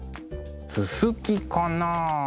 ススキかな。